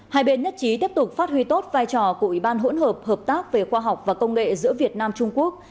hai bên nhất trí tiếp tục phát huy tốt vai trò của ủy ban hỗn hợp hợp tác về khoa học và công nghệ giữa việt nam trung quốc